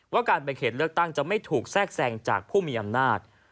การแบ่งเขตเลือกตั้งจะไม่ถูกแทรกแทรงจากผู้มีอำนาจ